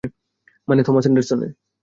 মানে, থমাস অ্যান্ডারসনের?